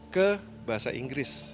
ke bahasa inggris